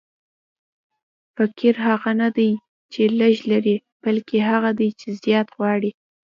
فقیر هغه نه دئ، چي لږ لري؛ بلکي هغه دئ، چي زیات غواړي.